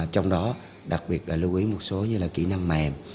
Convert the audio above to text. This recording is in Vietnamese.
trong đó đặc biệt là lưu ý một số như là kỹ năng mềm